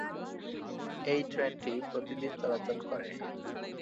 এই ট্রেনটি প্রতিদিন চলাচল করে।